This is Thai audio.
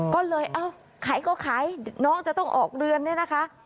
ก็เลยเอ้าขายก็ขายน้องจะต้องออกเรือนเนี่ยนะคะ